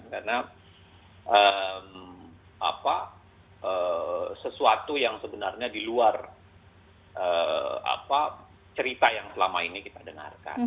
karena sesuatu yang sebenarnya di luar cerita yang selama ini kita dengarkan